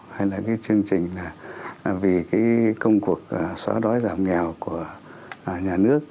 hay là cái chương trình là vì cái công cuộc xóa đói giảm nghèo của nhà nước